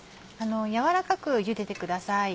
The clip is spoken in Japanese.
軟らかくゆでてください。